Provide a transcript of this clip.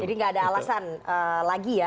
jadi gak ada alasan lagi ya